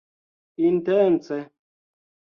intence